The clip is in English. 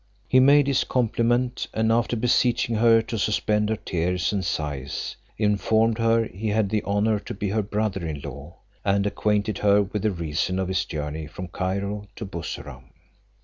He made his compliment, and after beseeching her to suspend her tears and sighs, informed her he had the honour to be her brother in law, and acquainted her with the reason of his journey from Cairo to Bussorah.